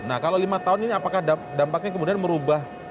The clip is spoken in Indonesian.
nah kalau lima tahun ini apakah dampaknya kemudian merubah